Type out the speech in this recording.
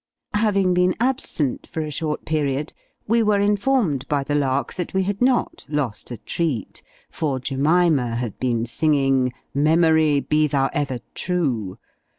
Having been absent for a short period, we were informed by the Lark that we had not lost a treat for Jemima had been singing, "Memory, be thou ever true!"